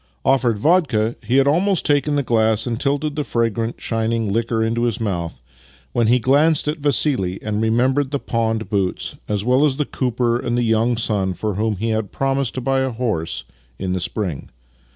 Offered vodka, he had almost taken the glass and tilted the fragrant, shining liquor into his mouth, when he glanced at Vassili and remembered the pawned boots, as well as the cooper and the young son for whom he had promised to buy a horse in the spring.